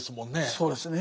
そうですね。